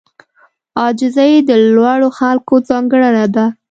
عاجزي د لوړو خلکو ځانګړنه ده.